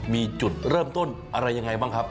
มีจุดเริ่มต้นอะไรยังไงบ้างครับ